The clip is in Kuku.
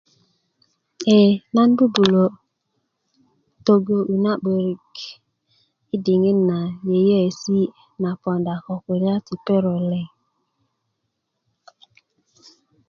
ee nan bubulö togo'yi na 'börik yi diŋit na yeiyeesi' na poonda ko kulya ti perok liŋ